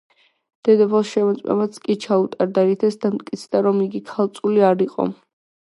დედოფალს შემოწმებაც კი ჩაუტარდა, რითაც დამტკიცდა, რომ იგი ქალწული არ იყო.